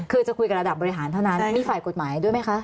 คือจะคุยกับระดับบริหารเท่านั้นมีฝ่ายกฎหมายด้วยไหมคะ